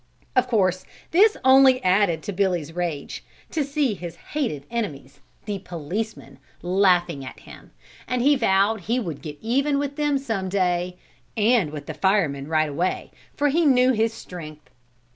Of course, this only added to Billy's rage, to see his hated enemies, the policemen, laughing at him, and he vowed he would get even with them some day, and with the firemen right away, for he knew his strength.